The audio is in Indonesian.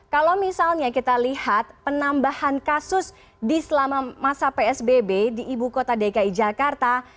kalau misalnya kita lihat penambahan kasus di selama masa psbb di ibu kota dki jakarta